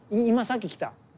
今さっき来た。